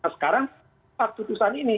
sekarang keputusan ini